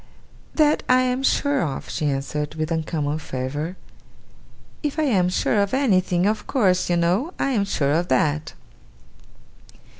'That I am sure of,' she answered, with uncommon fervour. 'If I am sure of anything, of course, you know, I am sure of that.